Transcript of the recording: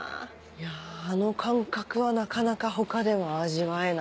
いやぁあの感覚はなかなか他では味わえないよね。